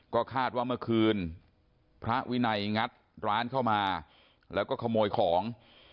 ก็คาดว่าเมื่อคืนพระวินัยงัดร้านเข้ามาแล้วก็ขโมยของ